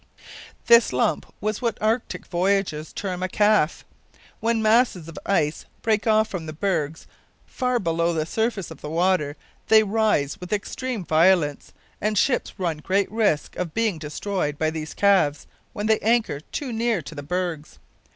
This lump was what Arctic voyagers term a "calf." When masses of ice break off from the bergs far below the surface of the water, they rise with extreme violence, and ships run great risk of being destroyed by these calves when they anchor too near to the bergs.